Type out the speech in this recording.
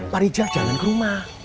pak rijal jangan ke rumah